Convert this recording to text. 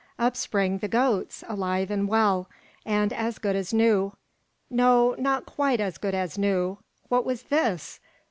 up sprang the goats, alive and well, and as good as new. No, not quite as good as new. What was this?